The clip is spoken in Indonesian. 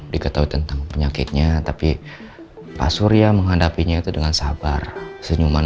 diketahui tentang penyakitnya tapi pak surya menghadapinya itu dengan sabar senyuman